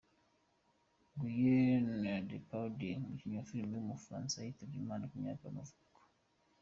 Guillaume Depardieu, umukinnyi wa filime w’umufaransa yitabye Imana ku myaka y’amavuko.